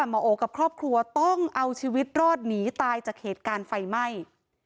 หมอโอกับครอบครัวต้องเอาชีวิตรอดหนีตายจากเหตุการณ์ไฟไหม้